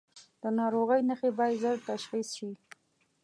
د ناروغۍ نښې باید ژر تشخیص شي.